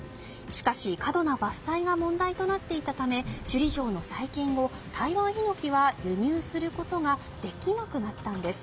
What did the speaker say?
しかし、過度な伐採が問題となっていたため首里城の再建後タイワンヒノキは輸入することができなくなったんです。